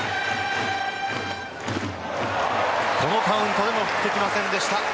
このカウントでも振ってきませんでした。